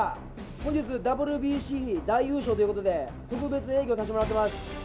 本日、ＷＢＣ大優勝ということで、特別営業させてもらってます。